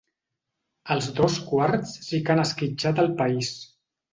Els dos quarts sí que han esquitxat el país.